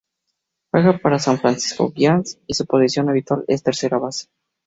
Juega para San Francisco Giants y su posición habitual es tercera base.